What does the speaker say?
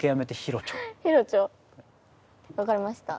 わかりました。